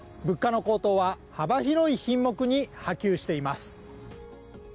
物価の高騰は幅広い品目に波及しています。